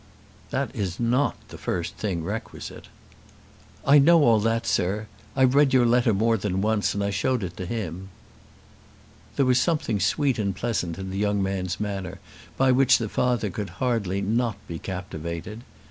"That is not the first thing requisite." "I know all that, sir. I've read your letter more than once, and I showed it to him." There was something sweet and pleasant in the young man's manner by which the father could hardly not be captivated.